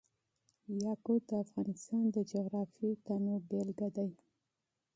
یاقوت د افغانستان د جغرافیوي تنوع مثال دی.